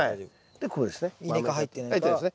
でこうですね。